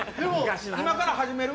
今から始める？